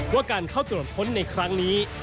ว่าการเข้าจนกระท้นในครั้งนี้